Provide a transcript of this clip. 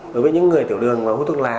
đối với những người tiểu đường và hút thuốc lá